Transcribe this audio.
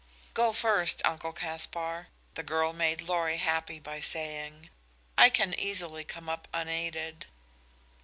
"Go first, Uncle Caspar," the girl made Lorry happy by saying. "I can easily come up unaided."